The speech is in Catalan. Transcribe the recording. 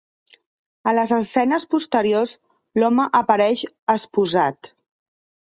A les escenes posteriors, l'home apareix esposat.